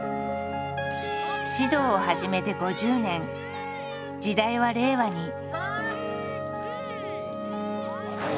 指導を始めて５０年時代は令和に。